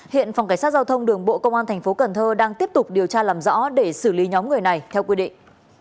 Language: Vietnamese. hiện phòng cảnh sát giao thông đường bộ công an tp cần thơ đang tiếp tục điều tra làm rõ để xử lý nhóm người này theo quy định